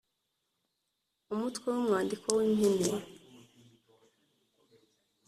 umutwe w’umwandiko w’impine